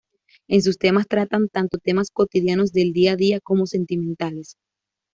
En sus temas tratan tanto temas cotidianos del día a día, como sentimentales.